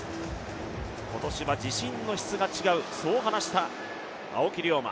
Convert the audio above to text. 今年は自信の質が違う、そう話した青木涼真。